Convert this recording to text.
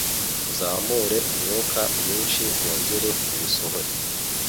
uzamure umwuka mwinshi wongere uwusohore